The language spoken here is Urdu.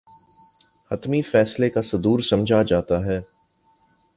حتمی فیصلے کا صدور سمجھا جاتا ہے